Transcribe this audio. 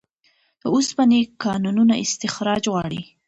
د اوسپنې کانونه استخراج غواړي